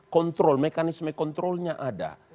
kontrol mekanisme kontrolnya ada